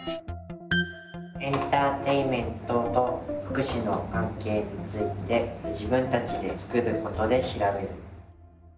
エンターテインメントと福祉の関係について自分たちで作ることで調べる。